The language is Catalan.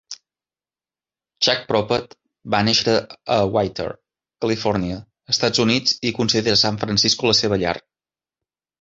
Chuck Prophet va néixer a Whittier, Califòrnia, Estats Units i considera San Francisco la seva llar.